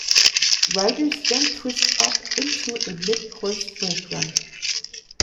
Riders then twist up into a mid-course brake run.